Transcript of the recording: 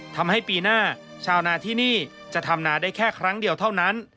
ทำให้ปีหน้าชาวนาที่นี่จะทำนาได้แค่ครั้งเดียวเท่านั้น